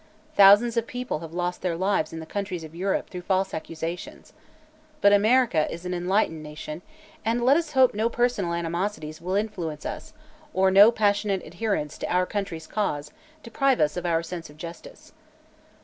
Thousands of people have lost their lives in the countries of Europe through false accusations. But America is an enlightened nation, and let us hope no personal animosities will influence us or no passionate adherence to our country's cause deprive us of our sense of justice."